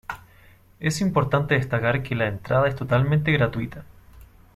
Es importante destacar que la entrada es totalmente gratuita.